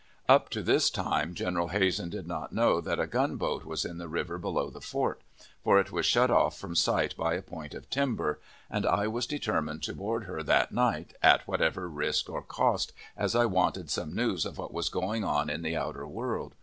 Up to this time General Hazen did not know that a gunboat was in the river below the fort; for it was shut off from sight by a point of timber, and I was determined to board her that night, at whatever risk or cost, as I wanted some news of what was going on in the outer world.